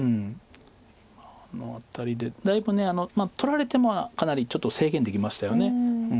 あの辺りでだいぶ取られてもかなりちょっと制限できましたよね。